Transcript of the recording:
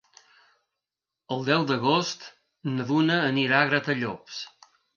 El deu d'agost na Duna anirà a Gratallops.